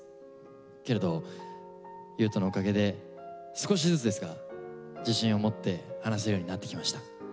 けれど優斗のおかげで少しずつですが自信を持って話せるようになってきました。